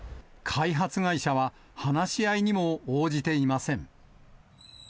開発会社は、話し合いにも応じていません。